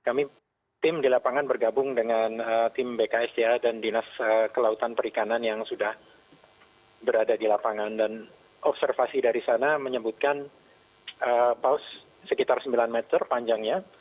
kami tim di lapangan bergabung dengan tim bksda dan dinas kelautan perikanan yang sudah berada di lapangan dan observasi dari sana menyebutkan paus sekitar sembilan meter panjangnya